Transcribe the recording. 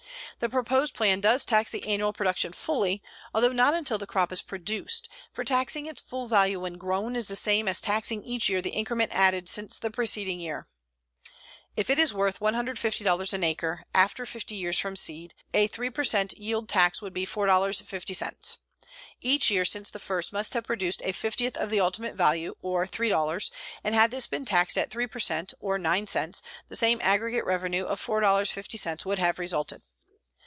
The proposed plan does tax the annual production fully, although not until the crop is produced, for taxing its full value when grown is the same as taxing each year the increment added since the preceding year. If it is worth $150 an acre, after 50 years from seed, a 3 per cent yield tax would be $4.50. Each year since the first must have produced a fiftieth of the ultimate value, or $3, and had this been taxed at 3 per cent, or 9 cents, the same aggregate revenue of $4.50 would have resulted.